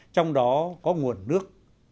trong đó có nguồn nước